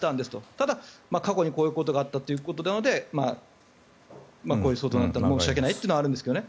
ただ、過去にこういうことがあったということなのでこういう騒動になって申し訳ないというのはあるんですけどね。